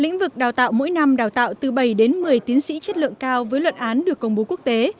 lĩnh vực đào tạo mỗi năm đào tạo từ bảy đến một mươi tiến sĩ chất lượng cao với luận án được công bố quốc tế